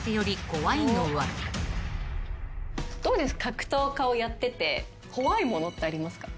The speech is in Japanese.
格闘家をやってて怖いものってありますか？